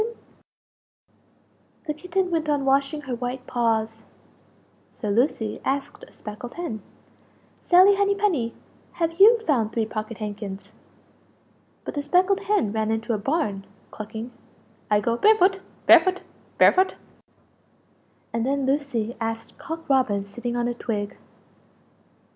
The Kitten went on washing her white paws; so Lucie asked a speckled hen "Sally Henny penny, have you found three pocket handkins?" But the speckled hen ran into a barn, clucking "I go barefoot, barefoot, barefoot!" And then Lucie asked Cock Robin sitting on a twig.